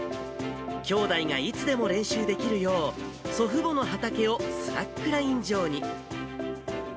兄弟がいつでも練習できるよう、祖父母の畑をスラックライン場に。